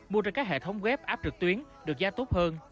mua trên các hệ thống web app trực tuyến được giá tốt hơn